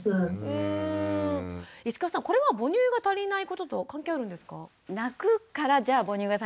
石川さんこれは母乳が足りないこととは関係あるんですかね？